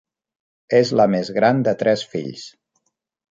És la més gran de tres fills.